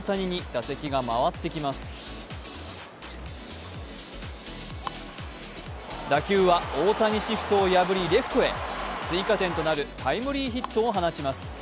打球は大谷シフトを破り、レフトへ追加点となるタイムリーヒットを放ちます。